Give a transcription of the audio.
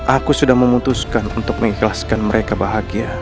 aku sudah memutuskan untuk mengikhlaskan mereka bahagia